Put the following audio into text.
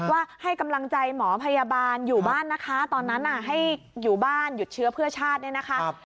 ว่าให้กำลังใจหมอพยาบาลอยู่บ้านนะคะตอนนั้นให้อยู่บ้านหยุดเชื้อเพื่อชาติเนี่ยนะคะ